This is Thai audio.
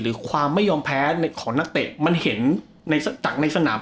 หรือความไม่ยอมแพ้ของลักเตะมันเห็นจากเสนาระแบบในสนาม